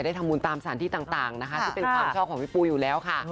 ทำบุญตามสถานที่ต่างนะคะที่เป็นความชอบของพี่ปูอยู่แล้วค่ะ